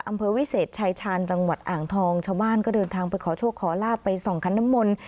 อำเภอวิเศษชายชาญจังหวัดอ่างทองชาวบ้านก็เดินทางไปขอโชคขอลาบไปส่องคันน้ำมนต์